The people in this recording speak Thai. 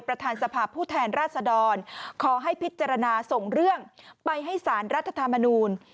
ประธานสภาพผู้แทนราชดรขอให้พิจารณาส่งเรื่องไปให้สารรัฐธรรมนูล